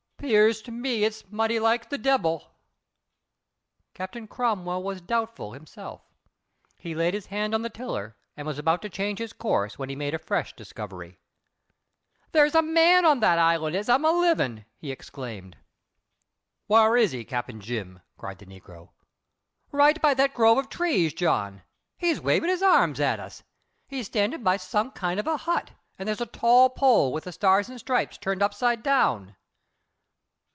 "'Pears to me it's mighty like de debbil." Captain Cromwell was doubtful himself. He laid his hand on the tiller and was about to change his course when he made a fresh discovery. "There's a man on that island, as I'm a livin'," he exclaimed. "Whar is he, Cap. Jim?" cried the negro. "Right by that grove of trees, John. He's waving his arms at us. He's standing by some kind of a hut and there's a tall pole with the stars and stripes turned upside down."